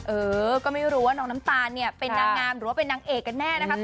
เออก็ไม่รู้ว่าน้องน้ำตาลเนี่ยเป็นนางงามหรือว่าเป็นนางเอกกันแน่นะคะ